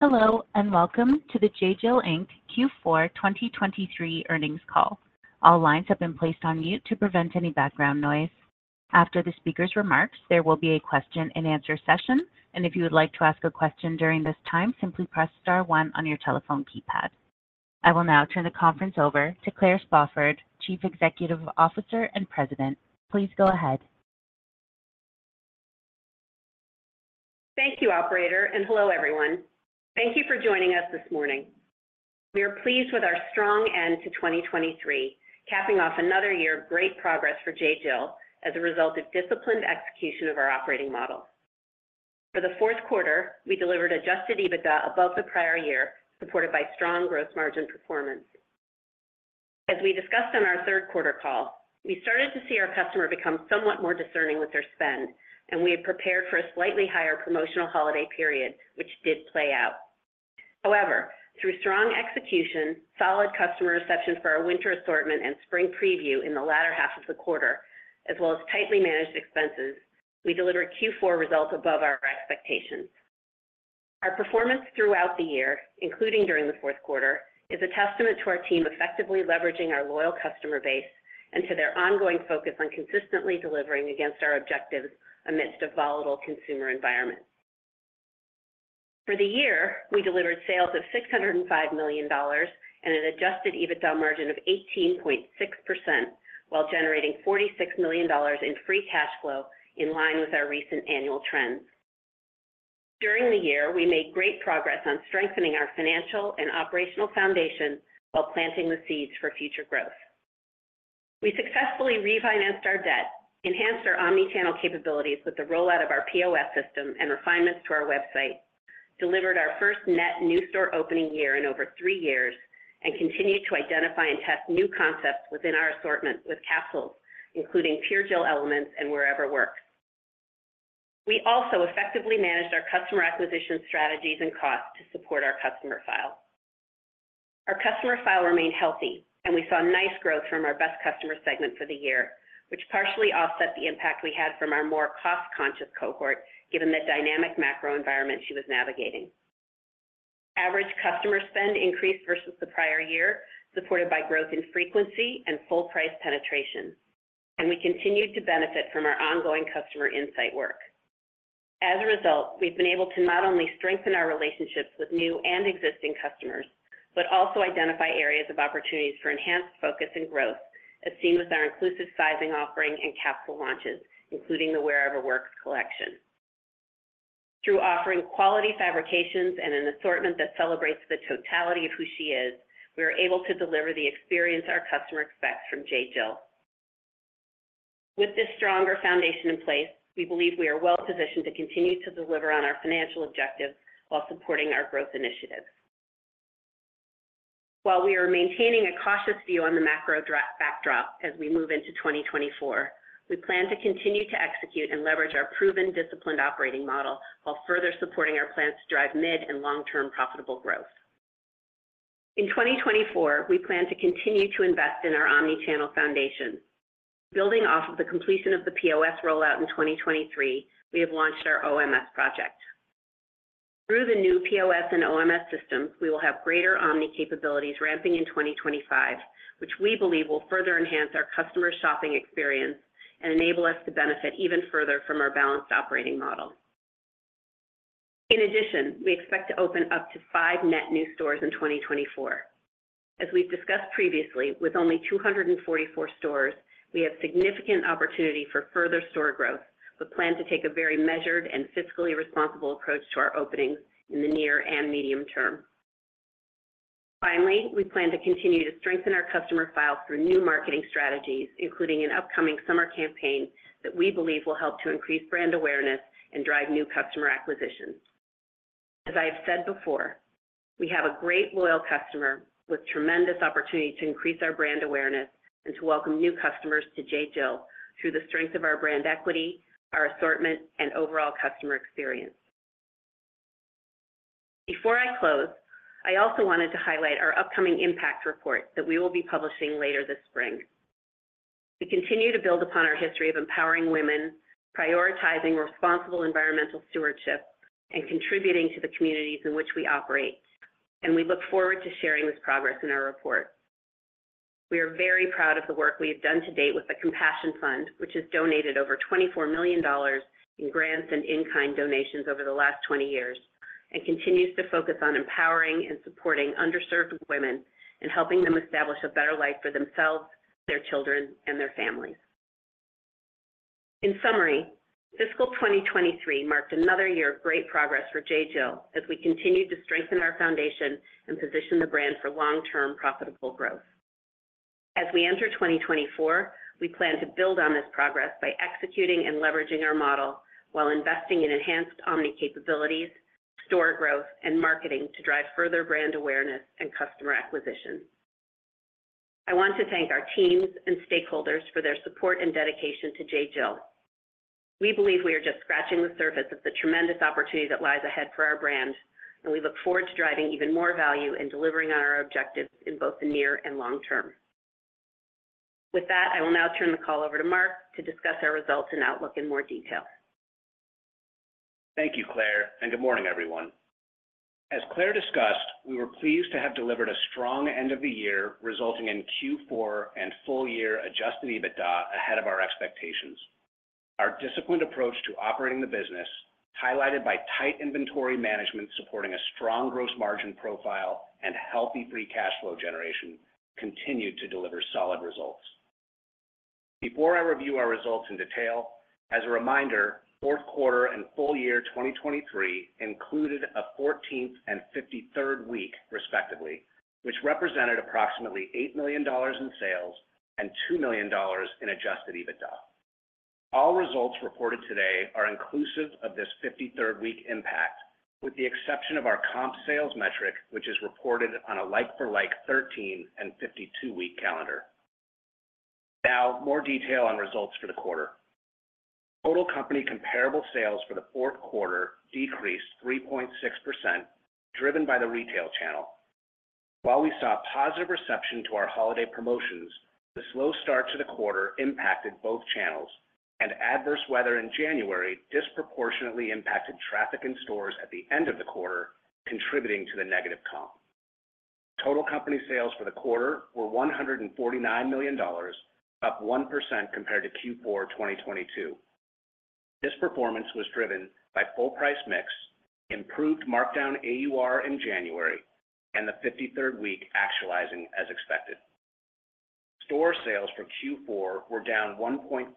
Hello and welcome to the J.Jill, Inc. Q4 2023 Earnings Call. All lines have been placed on mute to prevent any background noise. After the speaker's remarks, there will be a question-and-answer session, and if you would like to ask a question during this time, simply press star 1 on your telephone keypad. I will now turn the conference over to Claire Spofford, Chief Executive Officer and President. Please go ahead. Thank you, operator, and hello everyone. Thank you for joining us this morning. We are pleased with our strong end to 2023, capping off another year of great progress for J.Jill as a result of disciplined execution of our operating model. For the fourth quarter, we delivered Adjusted EBITDA above the prior year, supported by strong gross margin performance. As we discussed on our third quarter call, we started to see our customer become somewhat more discerning with their spend, and we had prepared for a slightly higher promotional holiday period, which did play out. However, through strong execution, solid customer reception for our winter assortment and spring preview in the latter half of the quarter, as well as tightly managed expenses, we delivered Q4 results above our expectations. Our performance throughout the year, including during the fourth quarter, is a testament to our team effectively leveraging our loyal customer base and to their ongoing focus on consistently delivering against our objectives amidst a volatile consumer environment. For the year, we delivered sales of $605 million and an adjusted EBITDA margin of 18.6% while generating $46 million in free cash flow in line with our recent annual trends. During the year, we made great progress on strengthening our financial and operational foundation while planting the seeds for future growth. We successfully refinanced our debt, enhanced our omnichannel capabilities with the rollout of our POS system and refinements to our website, delivered our first net new store opening year in over three years, and continued to identify and test new concepts within our assortment with capsules, including Pure Jill Elements and Wearever Works. We also effectively managed our customer acquisition strategies and costs to support our customer file. Our customer file remained healthy, and we saw nice growth from our best customer segment for the year, which partially offset the impact we had from our more cost-conscious cohort given the dynamic macro environment she was navigating. Average customer spend increased versus the prior year, supported by growth in frequency and full price penetration, and we continued to benefit from our ongoing customer insight work. As a result, we've been able to not only strengthen our relationships with new and existing customers but also identify areas of opportunities for enhanced focus and growth, as seen with our inclusive sizing offering and capsule launches, including the Wearever Works collection. Through offering quality fabrications and an assortment that celebrates the totality of who she is, we are able to deliver the experience our customer expects from J.Jill. With this stronger foundation in place, we believe we are well positioned to continue to deliver on our financial objectives while supporting our growth initiatives. While we are maintaining a cautious view on the macro backdrop as we move into 2024, we plan to continue to execute and leverage our proven disciplined operating model while further supporting our plans to drive mid and long-term profitable growth. In 2024, we plan to continue to invest in our omnichannel foundation. Building off of the completion of the POS rollout in 2023, we have launched our OMS project. Through the new POS and OMS systems, we will have greater omni capabilities ramping in 2025, which we believe will further enhance our customer shopping experience and enable us to benefit even further from our balanced operating model. In addition, we expect to open up to five net new stores in 2024. As we've discussed previously, with only 244 stores, we have significant opportunity for further store growth but plan to take a very measured and fiscally responsible approach to our openings in the near and medium term. Finally, we plan to continue to strengthen our customer file through new marketing strategies, including an upcoming summer campaign that we believe will help to increase brand awareness and drive new customer acquisitions. As I have said before, we have a great loyal customer with tremendous opportunity to increase our brand awareness and to welcome new customers to J.Jill through the strength of our brand equity, our assortment, and overall customer experience. Before I close, I also wanted to highlight our upcoming impact report that we will be publishing later this spring. We continue to build upon our history of empowering women, prioritizing responsible environmental stewardship, and contributing to the communities in which we operate, and we look forward to sharing this progress in our report. We are very proud of the work we have done to date with the Compassion Fund, which has donated over $24 million in grants and in-kind donations over the last 20 years and continues to focus on empowering and supporting underserved women and helping them establish a better life for themselves, their children, and their families. In summary, fiscal 2023 marked another year of great progress for J.Jill as we continue to strengthen our foundation and position the brand for long-term profitable growth. As we enter 2024, we plan to build on this progress by executing and leveraging our model while investing in enhanced omni capabilities, store growth, and marketing to drive further brand awareness and customer acquisition. I want to thank our teams and stakeholders for their support and dedication to J.Jill. We believe we are just scratching the surface of the tremendous opportunity that lies ahead for our brand, and we look forward to driving even more value and delivering on our objectives in both the near and long term. With that, I will now turn the call over to Mark to discuss our results and outlook in more detail. Thank you, Claire, and good morning, everyone. As Claire discussed, we were pleased to have delivered a strong end of the year resulting in Q4 and full year Adjusted EBITDA ahead of our expectations. Our disciplined approach to operating the business, highlighted by tight inventory management supporting a strong gross margin profile and healthy free cash flow generation, continued to deliver solid results. Before I review our results in detail, as a reminder, fourth quarter and full year 2023 included a 14th and 53rd week, respectively, which represented approximately $8 million in sales and $2 million in Adjusted EBITDA. All results reported today are inclusive of this 53rd week impact, with the exception of our comp sales metric, which is reported on a like-for-like 13 and 52-week calendar. Now, more detail on results for the quarter. Total company comparable sales for the fourth quarter decreased 3.6%, driven by the retail channel. While we saw positive reception to our holiday promotions, the slow start to the quarter impacted both channels, and adverse weather in January disproportionately impacted traffic in stores at the end of the quarter, contributing to the negative comp. Total company sales for the quarter were $149 million, up 1% compared to Q4 2022. This performance was driven by full price mix, improved markdown AUR in January, and the 53rd week actualizing as expected. Store sales for Q4 were down 1.5%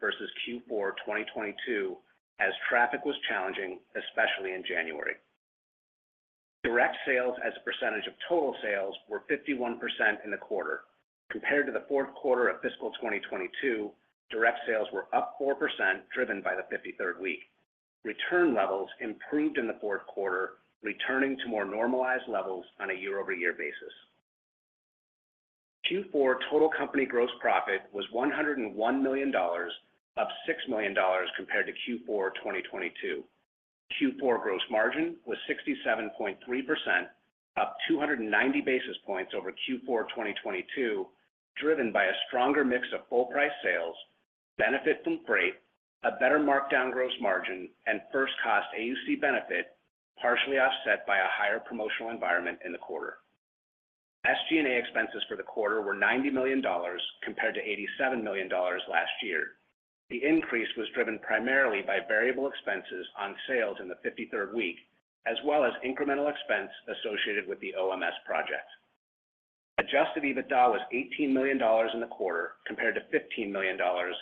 versus Q4 2022 as traffic was challenging, especially in January. Direct sales as a percentage of total sales were 51% in the quarter. Compared to the fourth quarter of fiscal 2022, direct sales were up 4%, driven by the 53rd week. Return levels improved in the fourth quarter, returning to more normalized levels on a year-over-year basis. Q4 total company gross profit was $101 million, up $6 million compared to Q4 2022. Q4 gross margin was 67.3%, up 290 basis points over Q4 2022, driven by a stronger mix of full price sales, benefit from freight, a better markdown gross margin, and first cost AUC benefit, partially offset by a higher promotional environment in the quarter. SG&A expenses for the quarter were $90 million compared to $87 million last year. The increase was driven primarily by variable expenses on sales in the 53rd week, as well as incremental expense associated with the OMS project. Adjusted EBITDA was $18 million in the quarter compared to $15 million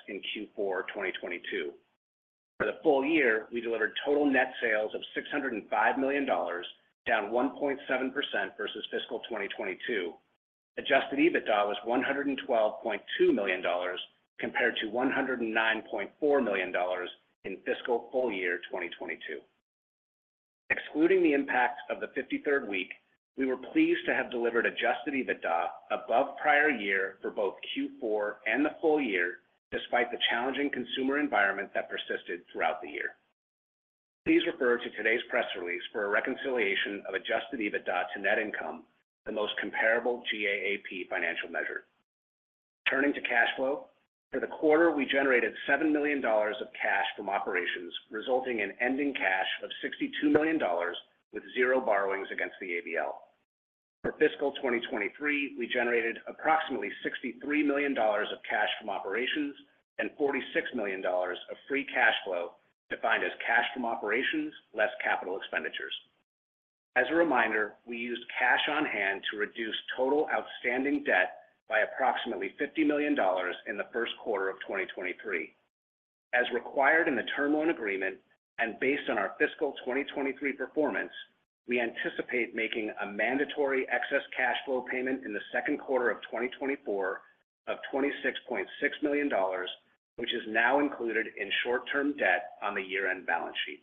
in Q4 2022. For the full year, we delivered total net sales of $605 million, down 1.7% versus fiscal 2022. Adjusted EBITDA was $112.2 million compared to $109.4 million in fiscal full year 2022. Excluding the impact of the 53rd week, we were pleased to have delivered Adjusted EBITDA above prior year for both Q4 and the full year, despite the challenging consumer environment that persisted throughout the year. Please refer to today's press release for a reconciliation of Adjusted EBITDA to net income, the most comparable GAAP financial measure. Turning to cash flow, for the quarter, we generated $7 million of cash from operations, resulting in ending cash of $62 million with zero borrowings against the ABL. For fiscal 2023, we generated approximately $63 million of cash from operations and $46 million of free cash flow, defined as cash from operations less capital expenditures. As a reminder, we used cash on hand to reduce total outstanding debt by approximately $50 million in the first quarter of 2023. As required in the term loan agreement and based on our fiscal 2023 performance, we anticipate making a mandatory excess cash flow payment in the second quarter of 2024 of $26.6 million, which is now included in short-term debt on the year-end balance sheet.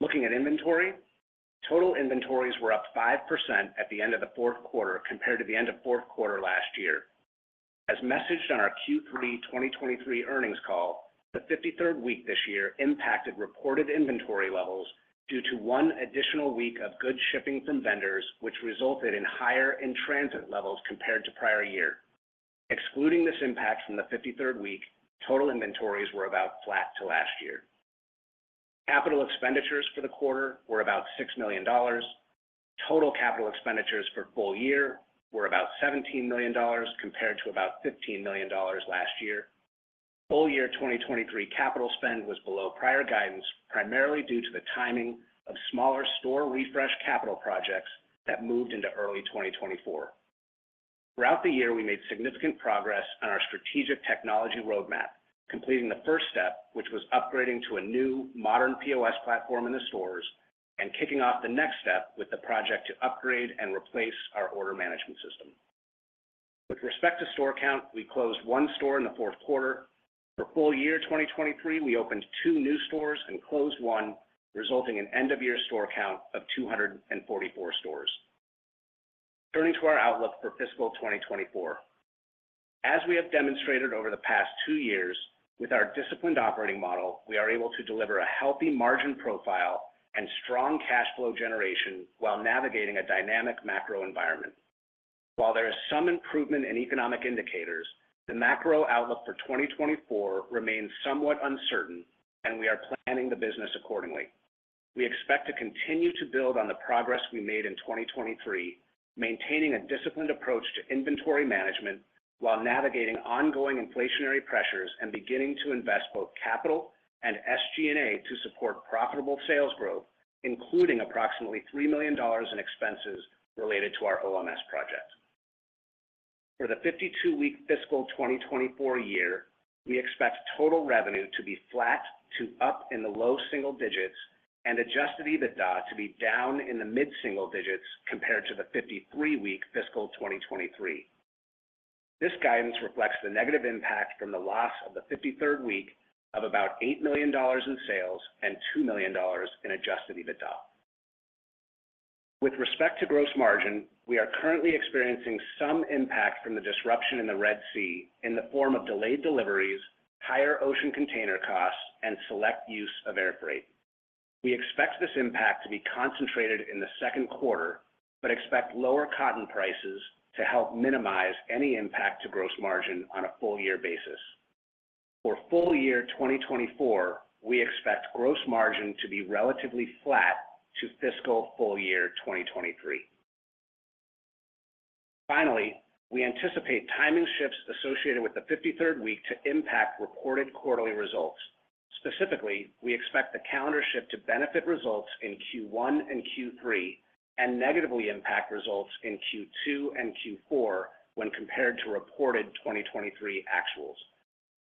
Looking at inventory, total inventories were up 5% at the end of the fourth quarter compared to the end of fourth quarter last year. As messaged on our Q3 2023 earnings call, the 53rd week this year impacted reported inventory levels due to one additional week of goods shipping from vendors, which resulted in higher in-transit levels compared to prior year. Excluding this impact from the 53rd week, total inventories were about flat to last year. Capital expenditures for the quarter were about $6 million. Total capital expenditures for full year were about $17 million compared to about $15 million last year. Full year 2023 capital spend was below prior guidance, primarily due to the timing of smaller store refresh capital projects that moved into early 2024. Throughout the year, we made significant progress on our strategic technology roadmap, completing the first step, which was upgrading to a new modern POS platform in the stores and kicking off the next step with the project to upgrade and replace our order management system. With respect to store count, we closed one store in the fourth quarter. For full year 2023, we opened two new stores and closed one, resulting in end-of-year store count of 244 stores. Turning to our outlook for fiscal 2024. As we have demonstrated over the past two years, with our disciplined operating model, we are able to deliver a healthy margin profile and strong cash flow generation while navigating a dynamic macro environment. While there is some improvement in economic indicators, the macro outlook for 2024 remains somewhat uncertain, and we are planning the business accordingly. We expect to continue to build on the progress we made in 2023, maintaining a disciplined approach to inventory management while navigating ongoing inflationary pressures and beginning to invest both capital and SG&A to support profitable sales growth, including approximately $3 million in expenses related to our OMS project. For the 52-week fiscal 2024 year, we expect total revenue to be flat to up in the low single digits and Adjusted EBITDA to be down in the mid-single digits compared to the 53-week fiscal 2023. This guidance reflects the negative impact from the loss of the 53rd week of about $8 million in sales and $2 million in Adjusted EBITDA. With respect to gross margin, we are currently experiencing some impact from the disruption in the Red Sea in the form of delayed deliveries, higher ocean container costs, and select use of air freight. We expect this impact to be concentrated in the second quarter but expect lower cotton prices to help minimize any impact to gross margin on a full year basis. For full year 2024, we expect gross margin to be relatively flat to fiscal full year 2023. Finally, we anticipate timing shifts associated with the 53rd week to impact reported quarterly results. Specifically, we expect the calendar shift to benefit results in Q1 and Q3 and negatively impact results in Q2 and Q4 when compared to reported 2023 actuals.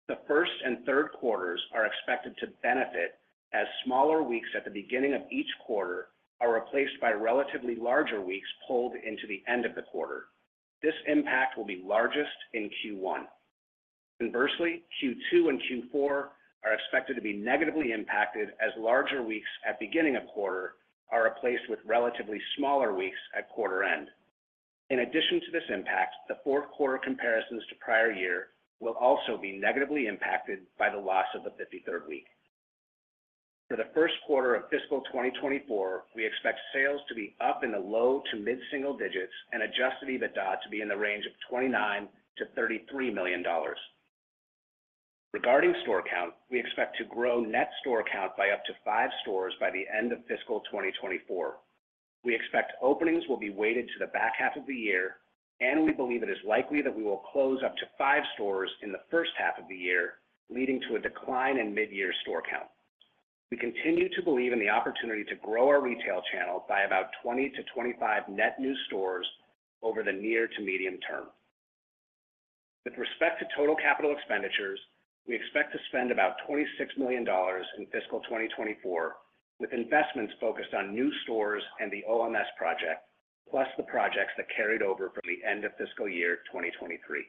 The first and third quarters are expected to benefit as smaller weeks at the beginning of each quarter are replaced by relatively larger weeks pulled into the end of the quarter. This impact will be largest in Q1. Conversely, Q2 and Q4 are expected to be negatively impacted as larger weeks at beginning of quarter are replaced with relatively smaller weeks at quarter end. In addition to this impact, the fourth quarter comparisons to prior year will also be negatively impacted by the loss of the 53rd week. For the first quarter of fiscal 2024, we expect sales to be up in the low to mid-single digits and Adjusted EBITDA to be in the range of $29 million-$33 million. Regarding store count, we expect to grow net store count by up to five stores by the end of fiscal 2024. We expect openings will be weighted to the back half of the year, and we believe it is likely that we will close up to 5 stores in the first half of the year, leading to a decline in mid-year store count. We continue to believe in the opportunity to grow our retail channel by about 20-25 net new stores over the near to medium term. With respect to total capital expenditures, we expect to spend about $26 million in fiscal 2024 with investments focused on new stores and the OMS project, plus the projects that carried over from the end of fiscal year 2023.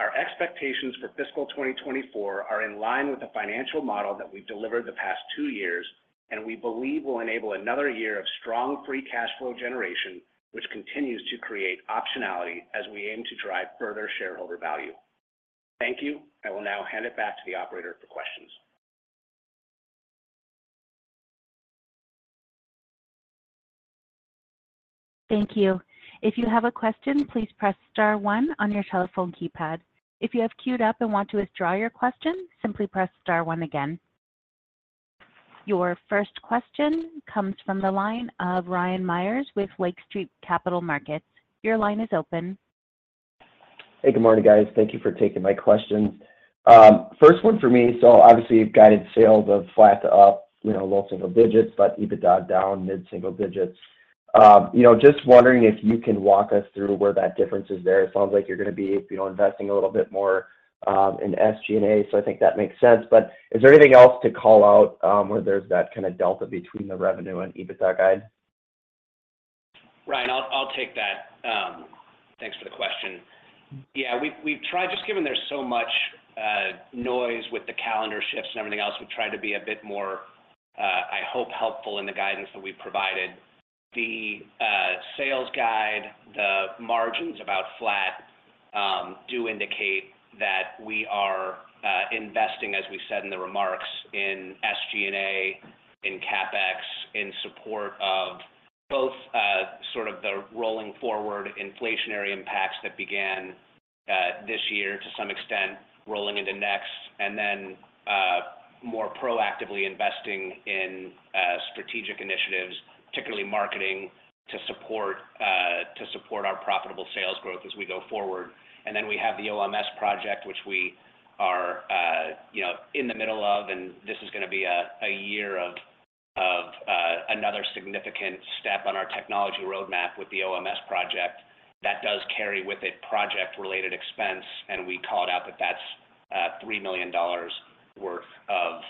Our expectations for fiscal 2024 are in line with the financial model that we've delivered the past two years, and we believe will enable another year of strong free cash flow generation, which continues to create optionality as we aim to drive further shareholder value. Thank you. I will now hand it back to the operator for questions. Thank you. If you have a question, please press star one on your telephone keypad. If you have queued up and want to withdraw your question, simply press star one again. Your first question comes from the line of Ryan Meyers with Lake Street Capital Markets. Your line is open. Hey, good morning, guys. Thank you for taking my questions. First one for me. So obviously, you've guided sales of flat to up, low single digits, but EBITDA down mid-single digits. Just wondering if you can walk us through where that difference is there. It sounds like you're going to be investing a little bit more in SG&A, so I think that makes sense. But is there anything else to call out where there's that kind of delta between the revenue and EBITDA guide? Ryan, I'll take that. Thanks for the question. Yeah, we've tried just given there's so much noise with the calendar shifts and everything else, we've tried to be a bit more, I hope, helpful in the guidance that we've provided. The sales guide, the margins about flat do indicate that we are investing, as we said in the remarks, in SG&A, in CapEx, in support of both sort of the rolling forward inflationary impacts that began this year, to some extent, rolling into next, and then more proactively investing in strategic initiatives, particularly marketing, to support our profitable sales growth as we go forward. And then we have the OMS project, which we are in the middle of, and this is going to be a year of another significant step on our technology roadmap with the OMS project. That does carry with it project-related expense, and we called out that that's $3 million worth of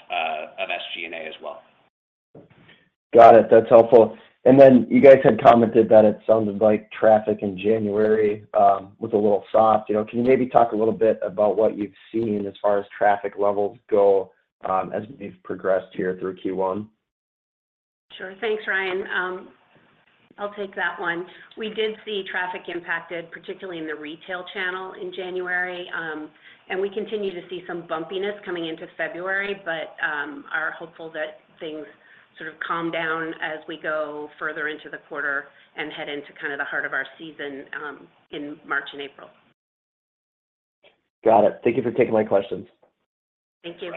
SG&A as well. Got it. That's helpful. And then you guys had commented that it sounded like traffic in January was a little soft. Can you maybe talk a little bit about what you've seen as far as traffic levels go as we've progressed here through Q1? Sure. Thanks, Ryan. I'll take that one. We did see traffic impacted, particularly in the retail channel in January, and we continue to see some bumpiness coming into February, but are hopeful that things sort of calm down as we go further into the quarter and head into kind of the heart of our season in March and April. Got it. Thank you for taking my questions. Thank you.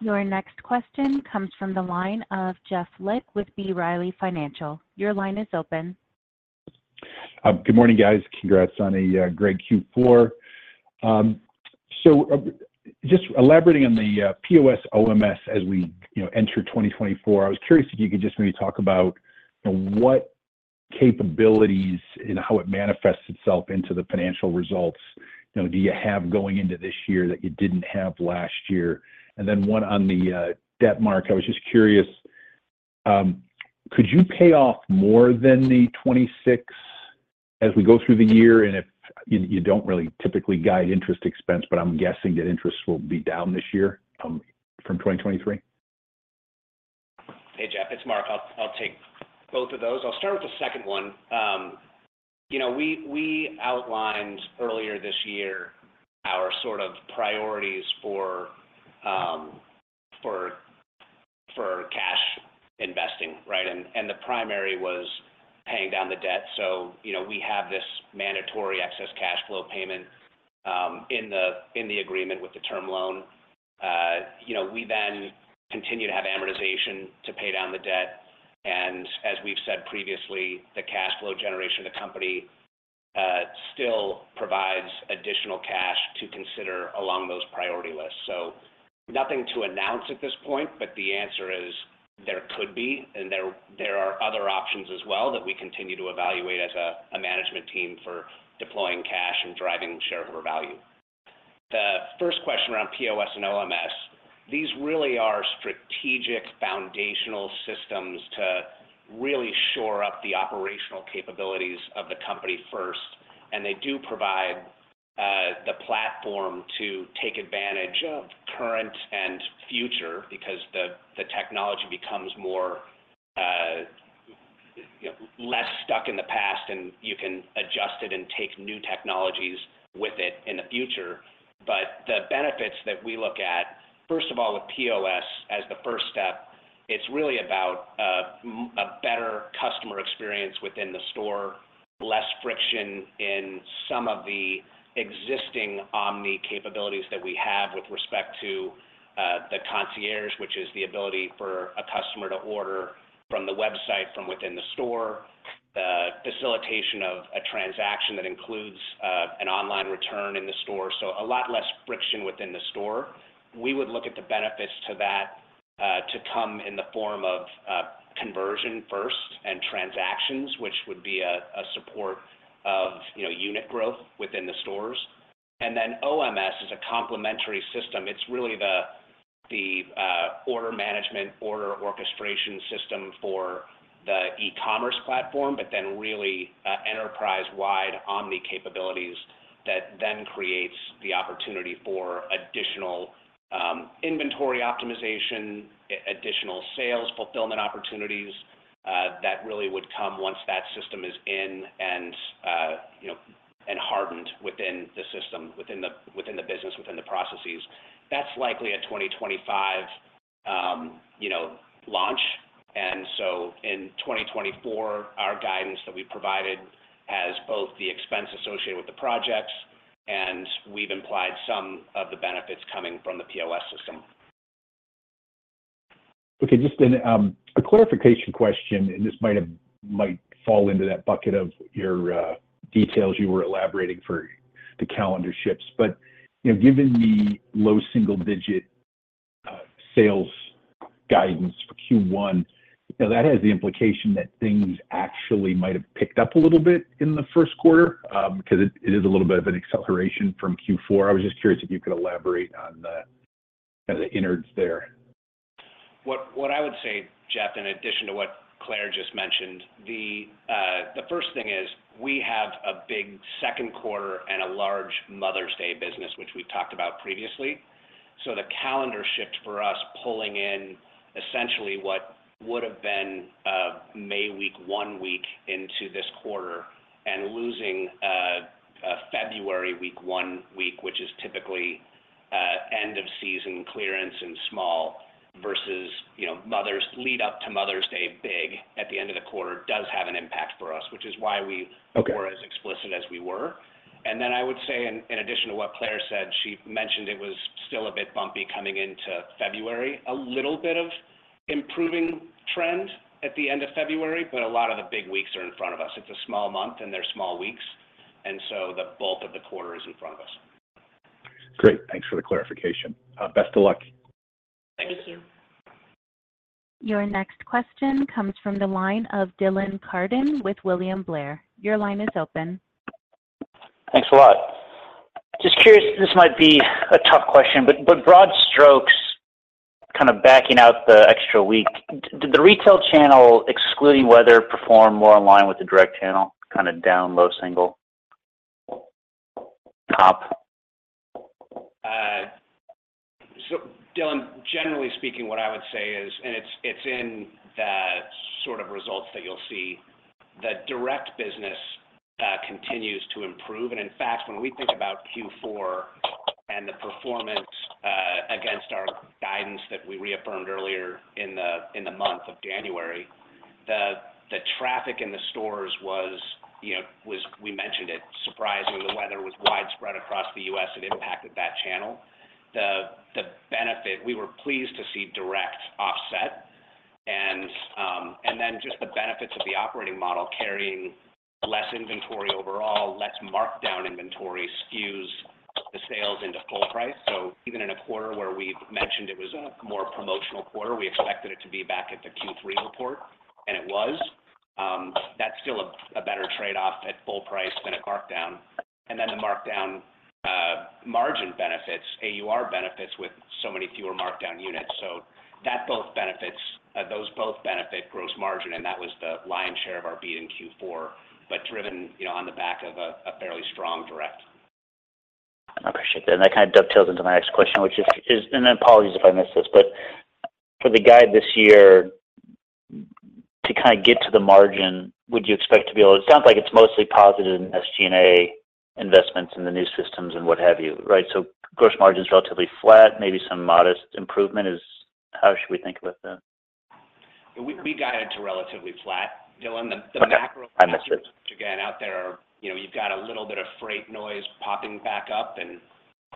Your next question comes from the line of Jeff Lick with B. Riley Financial. Your line is open. Good morning, guys. Congrats on a great Q4. So just elaborating on the POS OMS as we enter 2024, I was curious if you could just maybe talk about what capabilities and how it manifests itself into the financial results. Do you have going into this year that you didn't have last year? And then one on the debt, Mark, I was just curious, could you pay off more than the $26 as we go through the year? And you don't really typically guide interest expense, but I'm guessing that interest will be down this year from 2023? Hey, Jeff. It's Mark. I'll take both of those. I'll start with the second one. We outlined earlier this year our sort of priorities for cash investing, right? The primary was paying down the debt. We have this mandatory excess cash flow payment in the agreement with the term loan. We then continue to have amortization to pay down the debt. As we've said previously, the cash flow generation of the company still provides additional cash to consider along those priority lists. Nothing to announce at this point, but the answer is there could be, and there are other options as well that we continue to evaluate as a management team for deploying cash and driving shareholder value. The first question around POS and OMS. These really are strategic foundational systems to really shore up the operational capabilities of the company first, and they do provide the platform to take advantage of current and future because the technology becomes less stuck in the past, and you can adjust it and take new technologies with it in the future. But the benefits that we look at, first of all, with POS as the first step, it's really about a better customer experience within the store, less friction in some of the existing omni capabilities that we have with respect to the concierge, which is the ability for a customer to order from the website from within the store, the facilitation of a transaction that includes an online return in the store, so a lot less friction within the store. We would look at the benefits to that to come in the form of conversion first and transactions, which would be a support of unit growth within the stores. And then OMS is a complementary system. It's really the order management, order orchestration system for the e-commerce platform, but then really enterprise-wide omni capabilities that then creates the opportunity for additional inventory optimization, additional sales fulfillment opportunities that really would come once that system is in and hardened within the system, within the business, within the processes. That's likely a 2025 launch. And so in 2024, our guidance that we provided has both the expense associated with the projects, and we've implied some of the benefits coming from the POS system. Okay. Just a clarification question, and this might fall into that bucket of your details you were elaborating for the calendar shifts. But given the low single-digit sales guidance for Q1, that has the implication that things actually might have picked up a little bit in the first quarter because it is a little bit of an acceleration from Q4. I was just curious if you could elaborate on kind of the innards there? What I would say, Jeff, in addition to what Claire just mentioned, the first thing is we have a big second quarter and a large Mother's Day business, which we've talked about previously. So the calendar shift for us pulling in essentially what would have been May week 1 week into this quarter, and losing February week 1 week, which is typically end-of-season clearance and small versus lead-up to Mother's Day big at the end of the quarter does have an impact for us, which is why we were as explicit as we were. Then I would say, in addition to what Claire said, she mentioned it was still a bit bumpy coming into February, a little bit of improving trend at the end of February, but a lot of the big weeks are in front of us. It's a small month, and there's small weeks. The bulk of the quarter is in front of us. Great. Thanks for the clarification. Best of luck. Thank you. Your next question comes from the line of Dylan Carden with William Blair. Your line is open. Thanks a lot. Just curious, this might be a tough question, but broad strokes kind of backing out the extra week, did the retail channel, excluding weather, perform more in line with the direct channel, kind of down, low single, top? So Dylan, generally speaking, what I would say is, and it's in the sort of results that you'll see, the direct business continues to improve. In fact, when we think about Q4 and the performance against our guidance that we reaffirmed earlier in the month of January, the traffic in the stores was, we mentioned it, surprising. The weather was widespread across the US. It impacted that channel. We were pleased to see direct offset. Then just the benefits of the operating model carrying less inventory overall, less markdown inventory skews the sales into full price. So even in a quarter where we've mentioned it was a more promotional quarter, we expected it to be back at the Q3 report, and it was. That's still a better trade-off at full price than at markdown. Then the markdown margin benefits, AUR benefits with so many fewer markdown units. So those both benefit gross margin, and that was the lion's share of our beat in Q4, but driven on the back of a fairly strong direct. Appreciate that. And that kind of dovetails into my next question, which is, and then apologies if I missed this, but for the guide this year, to kind of get to the margin, would you expect to be able to? It sounds like it's mostly positive in SG&A investments and the new systems and what have you, right? So gross margin's relatively flat, maybe some modest improvement. How should we think about that? We guided to relatively flat, Dylan. The macro things, which again, out there, you've got a little bit of freight noise popping back up. And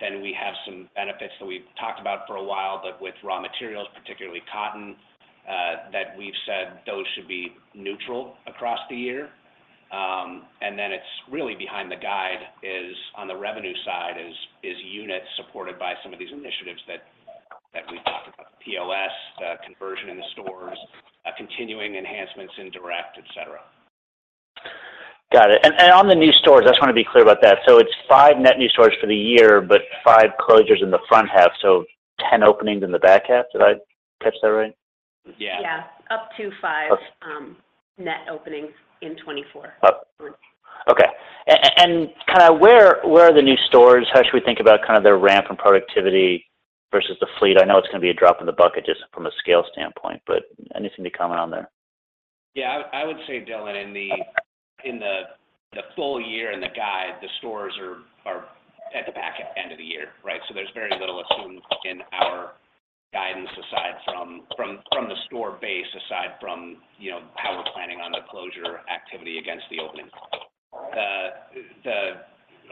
then we have some benefits that we've talked about for a while, but with raw materials, particularly cotton, that we've said those should be neutral across the year. And then it's really behind the guide is on the revenue side is units supported by some of these initiatives that we've talked about, the POS, the conversion in the stores, continuing enhancements in direct, etc. Got it. And on the new stores, I just want to be clear about that. So it's 5 net new stores for the year, but 5 closures in the front half, so 10 openings in the back half. Did I catch that right? Yeah. Yeah. Up to 5 net openings in 2024. Okay. And kind of where are the new stores? How should we think about kind of their ramp and productivity versus the fleet? I know it's going to be a drop in the bucket just from a scale standpoint, but anything to comment on there? Yeah. I would say, Dylan, in the full year and the guide, the stores are at the back end of the year, right? So there's very little assumed in our guidance aside from the store base, aside from how we're planning on the closure activity against the openings.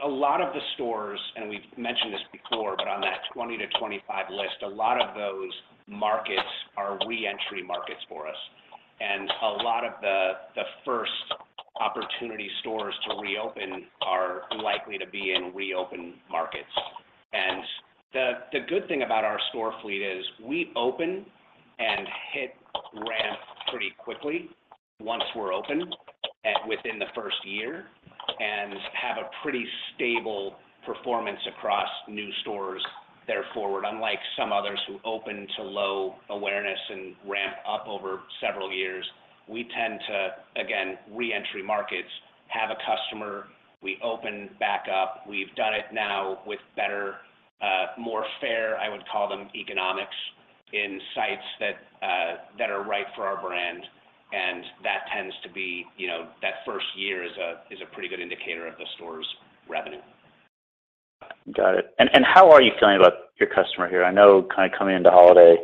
A lot of the stores, and we've mentioned this before, but on that 20-25 list, a lot of those markets are reentry markets for us. And a lot of the first opportunity stores to reopen are likely to be in reopen markets. And the good thing about our store fleet is we open and hit ramp pretty quickly once we're open within the first year and have a pretty stable performance across new stores thereafter. Unlike some others who open to low awareness and ramp up over several years, we tend to, again, re-enter markets, have a customer, we open back up. We've done it now with better, more fair, I would call them, economics in sites that are right for our brand. And that tends to be that first year is a pretty good indicator of the store's revenue. Got it. And how are you feeling about your customer here? I know kind of coming into holiday,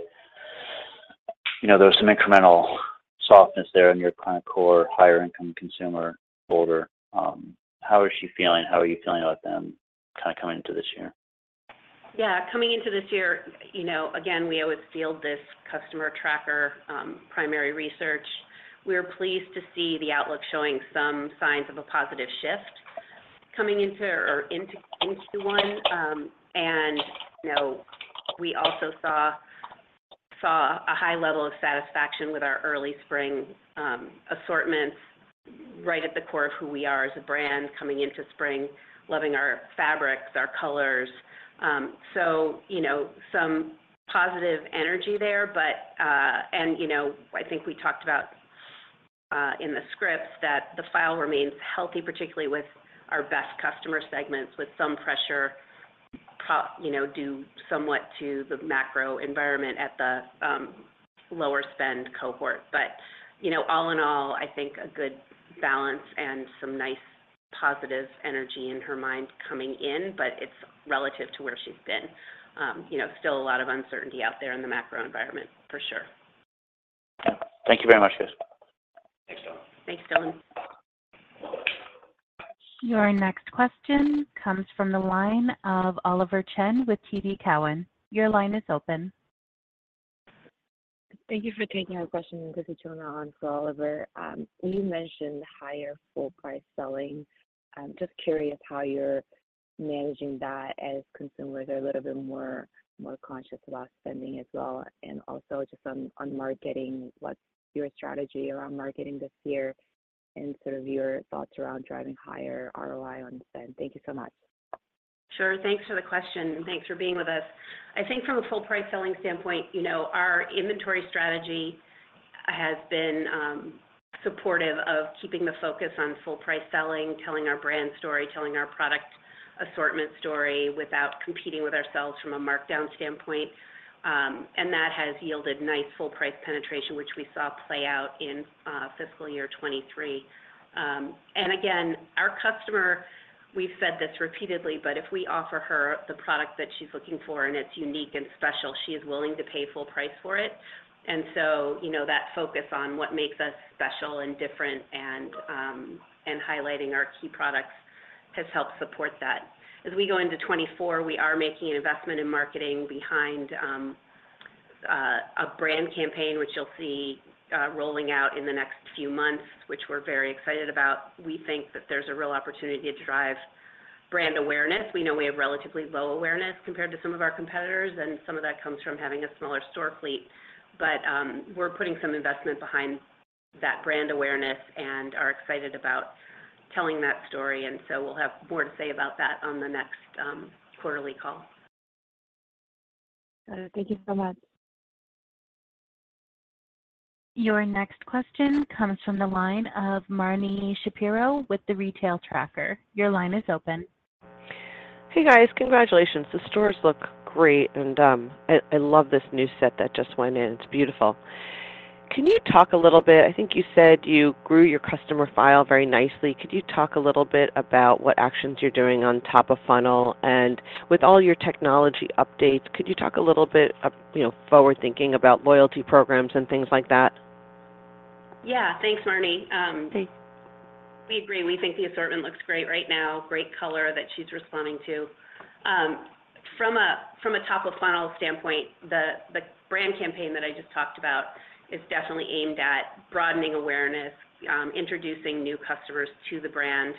there was some incremental softness there in your client core, higher-income consumer, older. How is she feeling? How are you feeling about them kind of coming into this year? Yeah. Coming into this year, again, we always field this customer tracker primary research. We were pleased to see the outlook showing some signs of a positive shift coming into or in Q1. And we also saw a high level of satisfaction with our early spring assortments right at the core of who we are as a brand coming into spring, loving our fabrics, our colors. So some positive energy there. And I think we talked about in the scripts that the file remains healthy, particularly with our best customer segments, with some pressure due somewhat to the macro environment at the lower spend cohort. But all in all, I think a good balance and some nice positive energy in her mind coming in, but it's relative to where she's been. Still a lot of uncertainty out there in the macro environment, for sure. Thank you very much, guys. Thanks, Dylan. Thanks, Dylan. Your next question comes from the line of Oliver Chen with TD Cowen. Your line is open. Thank you for taking our question and putting Tona on for Oliver. You mentioned higher full-price selling. Just curious how you're managing that as consumers. They're a little bit more conscious about spending as well. Also just on marketing, what's your strategy around marketing this year and sort of your thoughts around driving higher ROI on spend? Thank you so much. Sure. Thanks for the question. Thanks for being with us. I think from a full-price selling standpoint, our inventory strategy has been supportive of keeping the focus on full-price selling, telling our brand story, telling our product assortment story without competing with ourselves from a markdown standpoint. And that has yielded nice full-price penetration, which we saw play out in fiscal year 2023. And again, our customer, we've said this repeatedly, but if we offer her the product that she's looking for and it's unique and special, she is willing to pay full price for it. And so that focus on what makes us special and different and highlighting our key products has helped support that. As we go into 2024, we are making an investment in marketing behind a brand campaign, which you'll see rolling out in the next few months, which we're very excited about. We think that there's a real opportunity to drive brand awareness. We know we have relatively low awareness compared to some of our competitors, and some of that comes from having a smaller store fleet. But we're putting some investment behind that brand awareness and are excited about telling that story. And so we'll have more to say about that on the next quarterly call. Got it. Thank you so much. Your next question comes from the line of Marnie Shapiro with The Retail Tracker. Your line is open. Hey, guys. Congratulations. The stores look great, and I love this new set that just went in. It's beautiful. Can you talk a little bit? I think you said you grew your customer file very nicely. Could you talk a little bit about what actions you're doing on top of funnel? And with all your technology updates, could you talk a little bit forward-thinking about loyalty programs and things like that? Yeah. Thanks, Marnie. We agree. We think the assortment looks great right now, great color that she's responding to. From a top-of-funnel standpoint, the brand campaign that I just talked about is definitely aimed at broadening awareness, introducing new customers to the brand.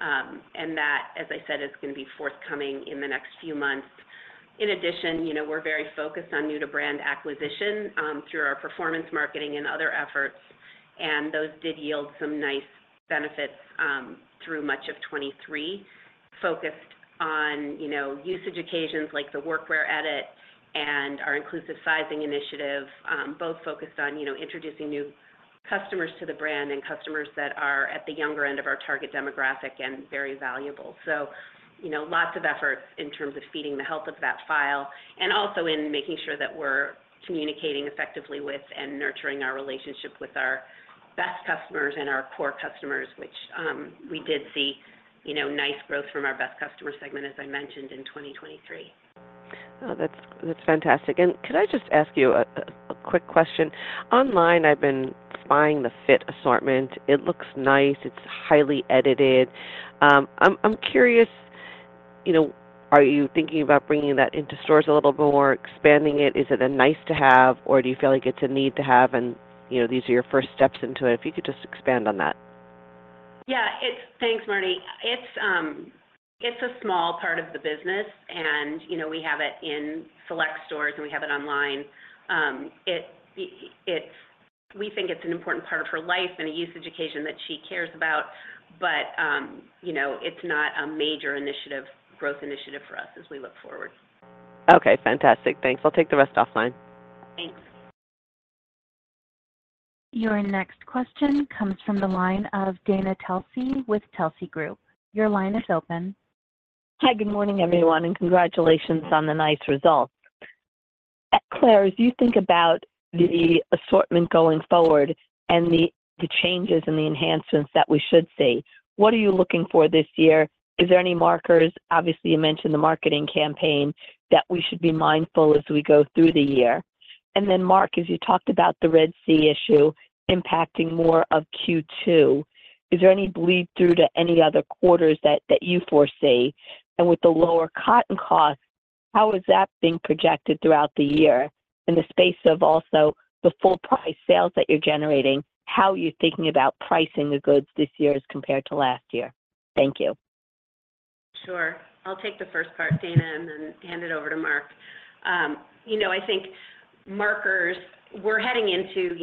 And that, as I said, is going to be forthcoming in the next few months. In addition, we're very focused on new-to-brand acquisition through our performance marketing and other efforts. And those did yield some nice benefits through much of 2023, focused on usage occasions like the Workwear edit and our inclusive sizing initiative, both focused on introducing new customers to the brand and customers that are at the younger end of our target demographic and very valuable. Lots of efforts in terms of feeding the health of that file and also in making sure that we're communicating effectively with and nurturing our relationship with our best customers and our core customers, which we did see nice growth from our best customer segment, as I mentioned, in 2023. Oh, that's fantastic. And could I just ask you a quick question? Online, I've been spying the fit assortment. It looks nice. It's highly edited. I'm curious, are you thinking about bringing that into stores a little more, expanding it? Is it a nice-to-have, or do you feel like it's a need-to-have? And these are your first steps into it. If you could just expand on that. Yeah. Thanks, Marnie. It's a small part of the business, and we have it in select stores, and we have it online. We think it's an important part of her life and a usage occasion that she cares about, but it's not a major growth initiative for us as we look forward. Okay. Fantastic. Thanks. I'll take the rest offline. Thanks. Your next question comes from the line of Dana Telsey with Telsey Group. Your line is open. Hi. Good morning, everyone, and congratulations on the nice results. Claire, as you think about the assortment going forward and the changes and the enhancements that we should see, what are you looking for this year? Is there any markers? Obviously, you mentioned the marketing campaign that we should be mindful as we go through the year. And then, Mark, as you talked about the Red Sea issue impacting more of Q2, is there any bleed-through to any other quarters that you foresee? And with the lower cotton cost, how is that being projected throughout the year in the space of also the full-price sales that you're generating, how are you thinking about pricing the goods this year as compared to last year? Thank you. Sure. I'll take the first part, Dana, and then hand it over to Mark. I think, Mark, we're heading into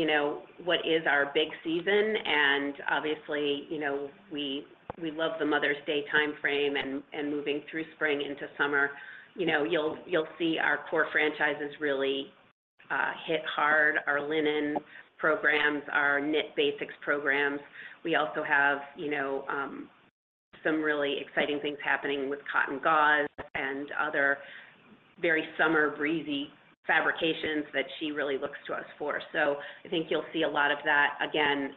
what is our big season, and obviously, we love the Mother's Day timeframe and moving through spring into summer. You'll see our core franchises really hit hard, our linen programs, our knit basics programs. We also have some really exciting things happening with cotton gauze and other very summer, breezy fabrications that she really looks to us for. So I think you'll see a lot of that, again,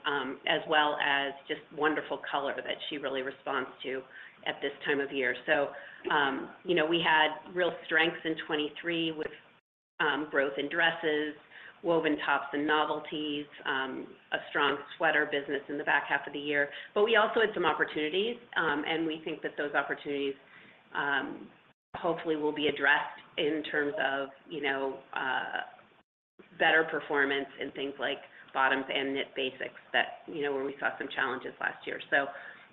as well as just wonderful color that she really responds to at this time of year. So we had real strengths in 2023 with growth in dresses, woven tops, and novelties, a strong sweater business in the back half of the year. But we also had some opportunities, and we think that those opportunities hopefully will be addressed in terms of better performance in things like bottoms and knit basics where we saw some challenges last year. So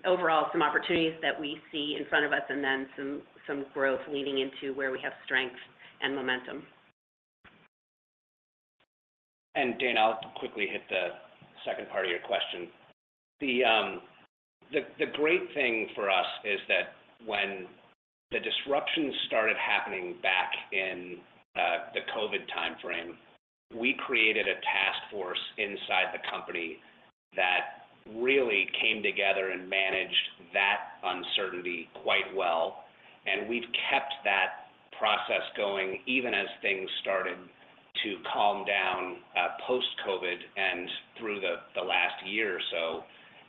overall, some opportunities that we see in front of us and then some growth leading into where we have strength and momentum. Dana, I'll quickly hit the second part of your question. The great thing for us is that when the disruption started happening back in the COVID timeframe, we created a task force inside the company that really came together and managed that uncertainty quite well. And we've kept that process going even as things started to calm down post-COVID and through the last year or so.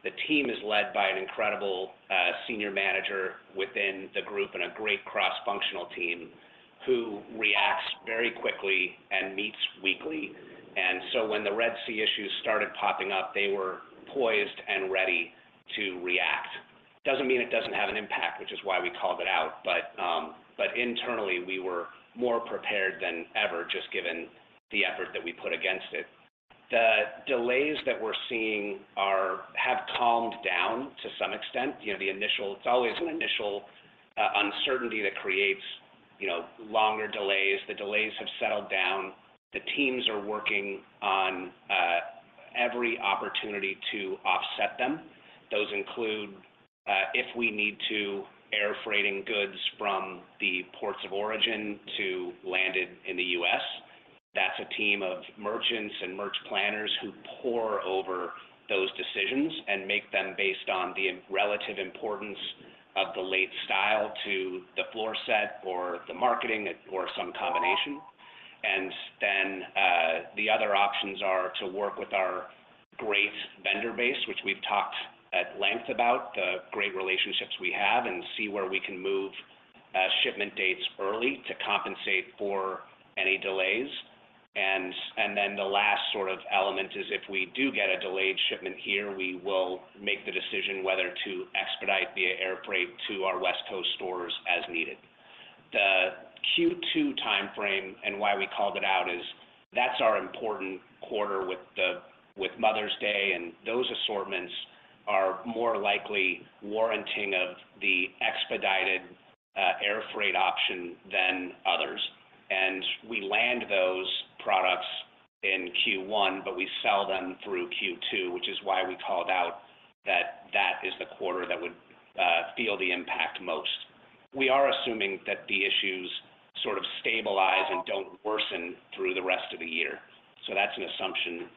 The team is led by an incredible senior manager within the group and a great cross-functional team who reacts very quickly and meets weekly. And so when the Red Sea issues started popping up, they were poised and ready to react. Doesn't mean it doesn't have an impact, which is why we called it out. But internally, we were more prepared than ever just given the effort that we put against it. The delays that we're seeing have calmed down to some extent. It's always an initial uncertainty that creates longer delays. The delays have settled down. The teams are working on every opportunity to offset them. Those include if we need to air freighting goods from the ports of origin to land in the U.S. That's a team of merchants and merch planners who pore over those decisions and make them based on the relative importance of the late style to the floor set or the marketing or some combination. And then the other options are to work with our great vendor base, which we've talked at length about, the great relationships we have, and see where we can move shipment dates early to compensate for any delays. And then the last sort of element is if we do get a delayed shipment here, we will make the decision whether to expedite via air freight to our West Coast stores as needed. The Q2 timeframe and why we called it out is that's our important quarter with Mother's Day, and those assortments are more likely warranting of the expedited air freight option than others. And we land those products in Q1, but we sell them through Q2, which is why we called out that that is the quarter that would feel the impact most. We are assuming that the issues sort of stabilize and don't worsen through the rest of the year. So that's an assumption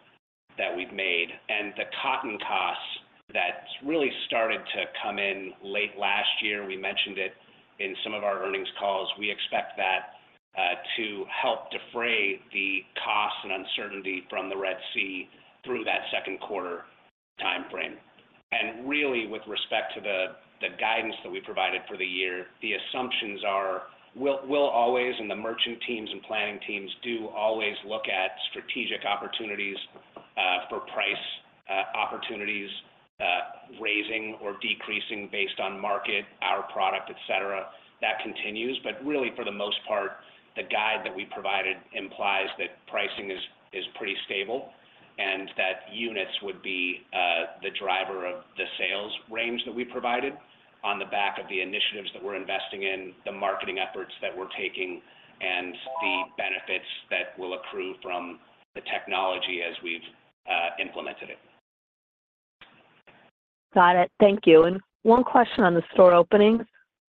that we've made. And the cotton costs that really started to come in late last year, we mentioned it in some of our earnings calls. We expect that to help defray the cost and uncertainty from the Red Sea through that second quarter timeframe. Really, with respect to the guidance that we provided for the year, the assumptions are we'll always, and the merchant teams and planning teams do always look at strategic opportunities for price opportunities raising or decreasing based on market, our product, etc. That continues. Really, for the most part, the guide that we provided implies that pricing is pretty stable and that units would be the driver of the sales range that we provided on the back of the initiatives that we're investing in, the marketing efforts that we're taking, and the benefits that will accrue from the technology as we've implemented it. Got it. Thank you. And one question on the store openings.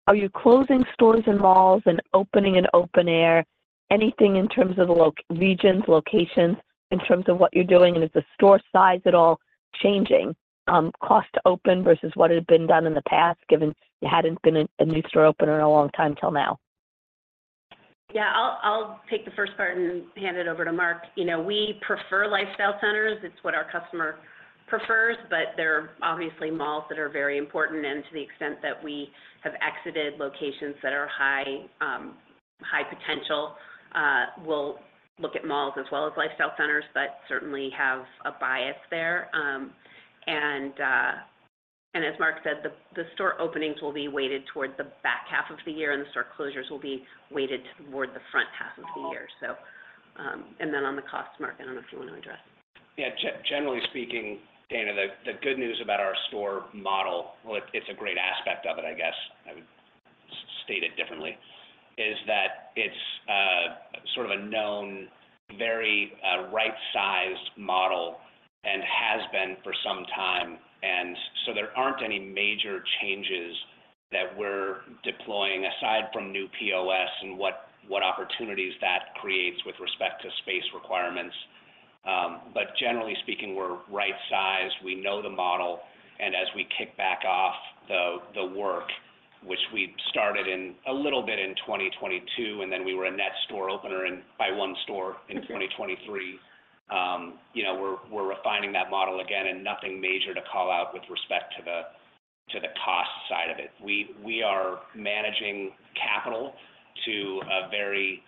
Are you closing stores and malls and opening in open air? Anything in terms of regions, locations, in terms of what you're doing? And is the store size at all changing, cost to open versus what had been done in the past given you hadn't been a new store opener in a long time till now? Yeah. I'll take the first part and hand it over to Mark. We prefer lifestyle centers. It's what our customer prefers, but there are obviously malls that are very important. And to the extent that we have exited locations that are high potential, we'll look at malls as well as lifestyle centers that certainly have a bias there. And as Mark said, the store openings will be weighted toward the back half of the year, and the store closures will be weighted toward the front half of the year. And then on the cost, Mark, I don't know if you want to address. Yeah. Generally speaking, Dana, the good news about our store model well, it's a great aspect of it, I guess I would state it differently, is that it's sort of a known, very right-sized model and has been for some time. And so there aren't any major changes that we're deploying aside from new POS and what opportunities that creates with respect to space requirements. But generally speaking, we're right-sized. We know the model. And as we kick back off the work, which we started a little bit in 2022, and then we were a net store opener by one store in 2023, we're refining that model again and nothing major to call out with respect to the cost side of it. We are managing capital to a very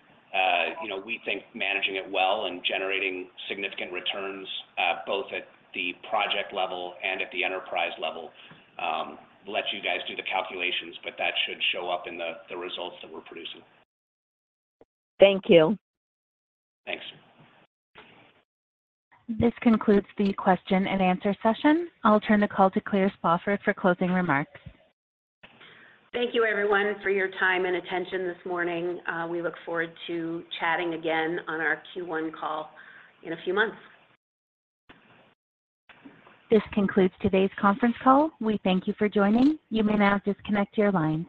we think managing it well and generating significant returns both at the project level and at the enterprise level. Let you guys do the calculations, but that should show up in the results that we're producing. Thank you. Thanks. This concludes the question and answer session. I'll turn the call to Claire Spofford for closing remarks. Thank you, everyone, for your time and attention this morning. We look forward to chatting again on our Q1 call in a few months. This concludes today's conference call. We thank you for joining. You may now disconnect your lines.